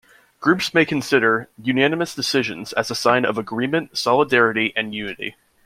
Groups may consider unanimous decisions as a sign of agreement, solidarity, and unity.